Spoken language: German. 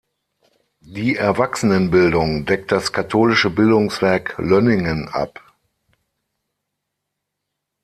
Die Erwachsenenbildung deckt das katholische Bildungswerk Löningen ab.